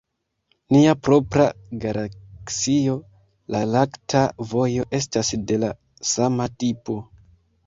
Nia propra galaksio, la lakta vojo, estas de la sama tipo.